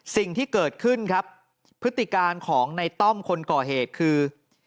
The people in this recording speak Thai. สิ่งที่เกิดขึ้นครับพฤติการของในต้อมคนก่อเหตุคือ